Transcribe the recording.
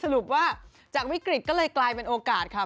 สรุปว่าจากวิกฤตก็เลยกลายเป็นโอกาสค่ะ